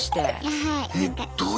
はい。